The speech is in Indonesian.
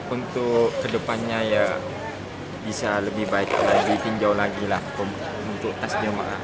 untuk kedepannya ya bisa lebih baik lebih tinjau lagi lah untuk tas jemaah